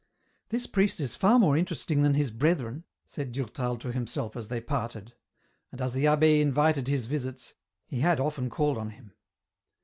" This priest is far more interesting than his brethren," said Durtal to himself as they parted ; and, as the abbe invited his visits, he had often called on him.